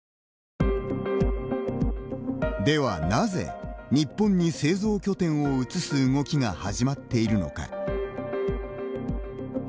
ではなぜ、日本に製造拠点を移す動きが始まっているのか。